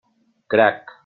Crac!